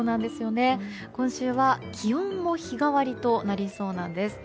今週は気温も日替わりとなりそうなんです。